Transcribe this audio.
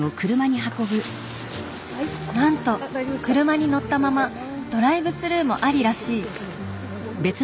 なんと車に乗ったままドライブスルーもありらしい。